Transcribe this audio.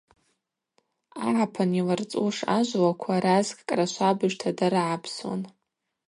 Агӏапын йларцӏуш ажвлаква разкӏкӏра швабыжта дарыгӏапсун.